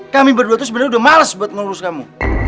kami berdua tuh sebenernya udah males buat ngurus kamu